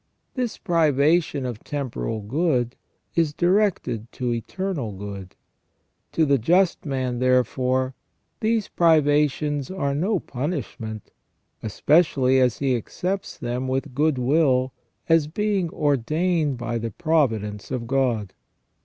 This privation of temporal good is directed to eternal good. To the just man, therefore, these privations are no punishment, especially as he accepts them with good will as being ordained by the pro vidence of God.